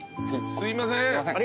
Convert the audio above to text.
すいません。